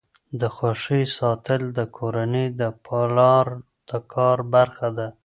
د خوښۍ ساتل د کورنۍ د پلار د کار برخه ده.